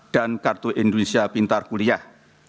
dan kartu indonesia pintar kuliah